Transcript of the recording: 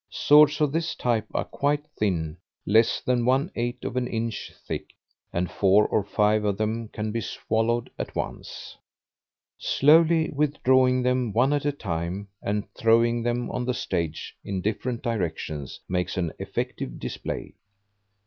Swords of this type are quite thin, less than one eighth of an inch thick, and four or five of them can be swallowed at once. Slowly withdrawing them one at a time, and throwing them on the stage in different directions, makes an effective display.